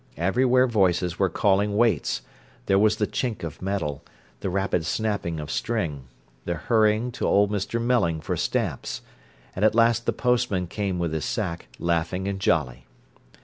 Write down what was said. Everywhere voices were calling weights, there was the chink of metal, the rapid snapping of string, the hurrying to old Mr. Melling for stamps. And at last the postman came with his sack, laughing and jolly.